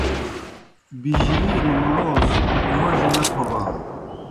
بِجرِیلوْ مُلوس موڙیْ نہ تھوبانوْ۔